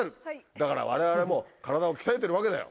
だから我々もカラダを鍛えてるわけだよ。